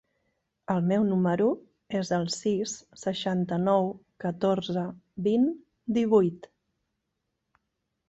El meu número es el sis, seixanta-nou, catorze, vint, divuit.